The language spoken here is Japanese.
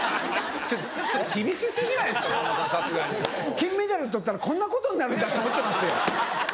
金メダル取ったらこんなことになるんだって思ってますよ